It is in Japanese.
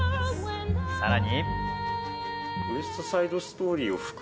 さらに。